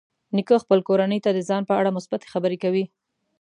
نیکه خپل کورنۍ ته د ځان په اړه مثبتې خبرې کوي.